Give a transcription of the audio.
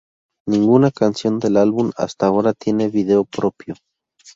Ninguna canción del álbum hasta ahora tiene video propio.